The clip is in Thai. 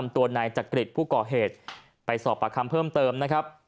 ตัวนายจักริตผู้ก่อเหตุไปสอบประคำเพิ่มเติมนะครับ